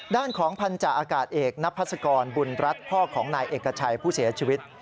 ด้านของพันธาอากาศเอกนพัศกรบุญรัฐพ่อของนายเอกชัยผู้เสียชีวิต